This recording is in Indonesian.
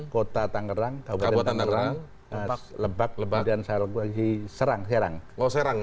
kota tangerang kabupaten tangerang lebak dan serang